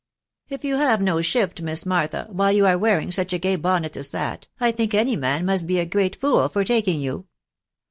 " If you have no shift, Miss Martha, while you are wearing such a gay bonnet as that, I think any man must be a great fool for taking you.